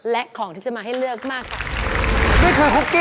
และของที่จะมาให้เลือกมาก